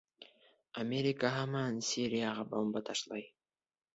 «Америка һаман Сирияға бомба ташлай».